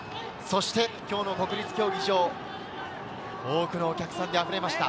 今日の国立競技場、多くのお客さんであふれました。